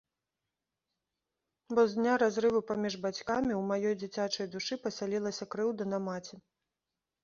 Бо з дня разрыву паміж бацькамі ў маёй дзіцячай душы пасялілася крыўда на маці.